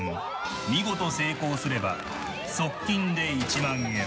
見事成功すれば即金で１万円。